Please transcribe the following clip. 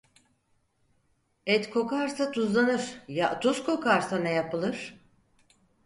Et kokarsa tuzlanır; ya tuz kokarsa ne yapılır?